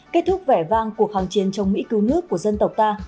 kết thúc vẻ vang cuộc hàng chiến trong mỹ cứu nước của dân tộc ta